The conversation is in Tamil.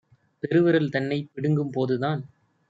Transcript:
பெருவிரல் தன்னைப் பிடுங்கும் போதுதான்